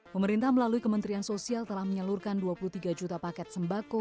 pemerintah melalui kementerian sosial telah menyalurkan dua puluh tiga juta paket sembako